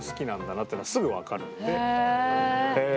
へえ。